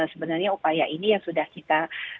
sebenarnya upaya ini yang sudah kita